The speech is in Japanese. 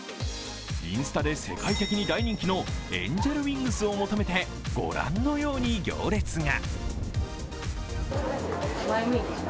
インスタで世界的に大人気のエンジェルウィングスを求めて御覧のような行列が。